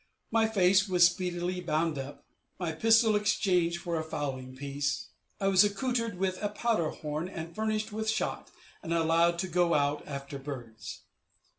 My face was speedily bound up; my pistol exchanged for a fowling piece; I was accoutred with a powder horn, and furnished with shot, and allowed to go out after birds.